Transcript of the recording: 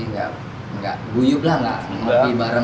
gak gak buyub lah lah